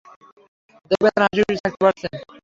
দেখবেন হাসিখুশি থাকতে পারছেন।